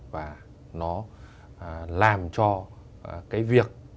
và nó làm cho cái việc